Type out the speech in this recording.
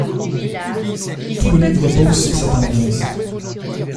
Tout le livre repose sur cette ambiance.